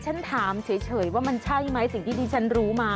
ฉันถามเฉยว่ามันใช่ไหมสิ่งที่ดิฉันรู้มา